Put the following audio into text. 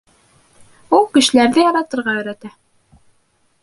Ул кешеләрҙе яратырға өйрәтә